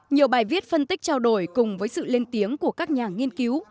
nhiều bài viết phân tích trao đổi cùng với sự lên tiếng của các nhà nghiên cứu